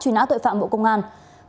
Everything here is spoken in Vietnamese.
truy nã tội phạm bộ công an